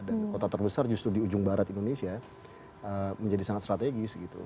dan kota terbesar justru di ujung barat indonesia menjadi sangat strategis gitu